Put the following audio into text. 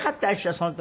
その時。